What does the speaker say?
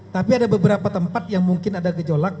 tapi ada beberapa tempat yang mungkin ada gejolak